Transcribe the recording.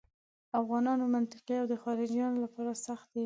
افغانانو منطقې د خارجیانو لپاره سختې وې.